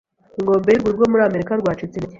Inkombe yurwuri rwo muri Amerika rwacitse intege